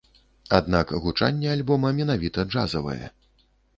Аднак гучанне альбома менавіта джазавае.